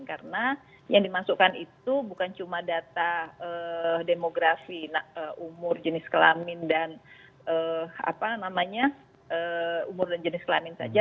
karena yang dimasukkan itu bukan cuma data demografi umur jenis kelamin dan umur dan jenis kelamin saja